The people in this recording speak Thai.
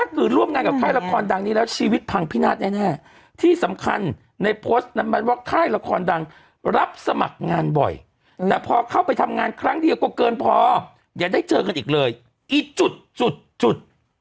เกินบ่อยแต่พอเข้าไปทำงานครั้งเดียวกว่าเกินพอยังได้เจอกันอีกเลยอีจุดจุดจุด